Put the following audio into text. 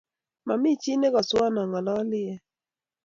Mami chii ne kaswo angololie